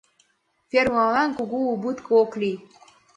Фермыланат кугу убытке ок лий.